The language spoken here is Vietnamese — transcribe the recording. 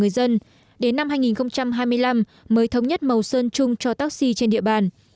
dân đến năm hai nghìn hai mươi năm mới thống nhất màu sơn chung cho taxi trên địa bàn